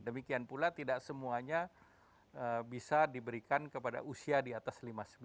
demikian pula tidak semuanya bisa diberikan kepada usia diatas lima sembilan